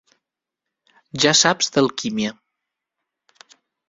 Ja saps d'alquímia.